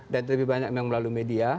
dan lebih banyak yang melalui media